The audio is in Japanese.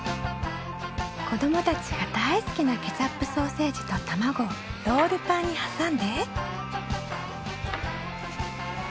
子どもたちが大好きなケチャップソーセージと卵をロールパンに挟んで。